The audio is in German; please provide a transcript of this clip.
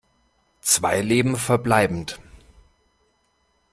Zwei Leben verbleibend.